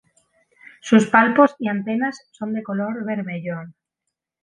Sus palpos y antenas son de color bermellón.